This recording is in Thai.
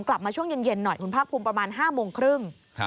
กลับมาช่วงเย็นหน่อยคุณภาคภูมิประมาณ๕โมงครึ่ง